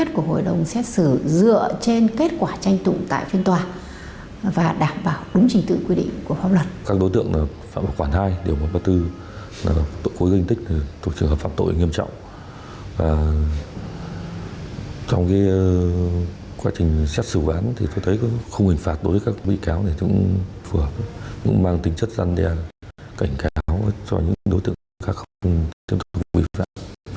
trong quá trình xét xử bản tôi thấy không hình phạt đối với các bị cáo này chúng cũng phù hợp cũng mang tính chất gian đề cảnh cáo cho những đối tượng khác không thêm thông tin bị phạm